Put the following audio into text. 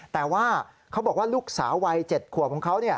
แต่ว่าเขาบอกว่าลูกสาววัย๗ขวบของเขา